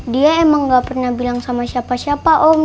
dia emang gak pernah bilang sama siapa siapa om